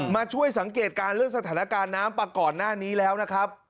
มาช่วยสังเกตการณ์เรื่องสถานการณ์น้ำมาก่อนหน้านี้แล้วนะครับ